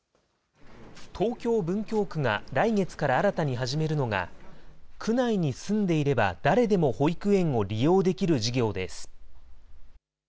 東京・文京区が来月から新たに始めるのが、区内に住んでいれば誰でも保育園を利用できる事業です。